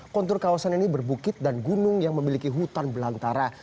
kontur kawasan ini berbukit dan gunung yang memiliki hutan belantara